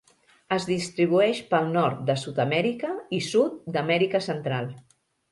Es distribueix pel nord de Sud-amèrica i sud d'Amèrica Central.